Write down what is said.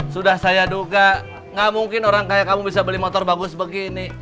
sudah saya duga gak mungkin orang kayak kamu bisa beli motor bagus begini